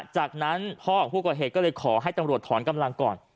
จากนั้นพ่อของผู้ก่อเหตุก็เลยขอให้ตำรวจถอนกำลังก่อน